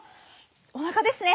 おなかですね！